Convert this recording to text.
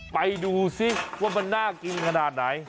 ไปดูซิว่ามันน่ากินขนาดไหน